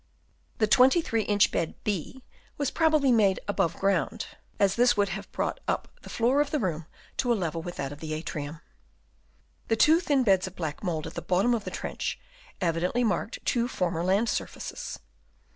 The 23 inch bed (B) was probably made ground, as this would have brought up the floor of the room to a level with that of the atrium. The two thin beds of black mould at the bottom of the trench evidently marked two former land surfaces.